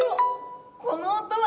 この音は。